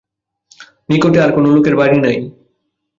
নিকটে আর কোন লোকের বাড়ি নাই।